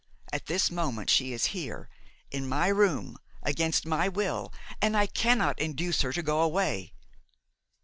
At this moment she is here, in my room, against my will, and I cannot induce her to go away."